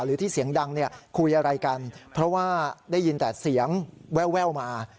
หรือที่เสียงดังเนี่ยคุยอะไรกันเพราะว่าได้ยินแต่เสียงแววมา